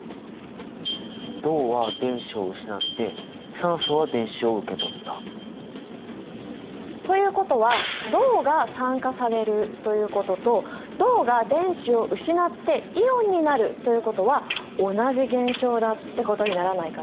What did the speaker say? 銅は電子を失って酸素は電子を受け取った。ということは銅が酸化されるということと銅が電子を失ってイオンになるということは同じ現象だってことにならないかな？